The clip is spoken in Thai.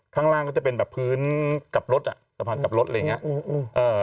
ข้างล่างก็จะเป็นแบบพื้นกับรถอ่ะสะพานกับรถอะไรอย่างเงี้อืมเอ่อ